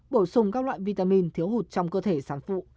bổ sung các loại vitamin thiếu hụt trong cơ thể sản phụ